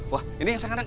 wah ini yang sayang anak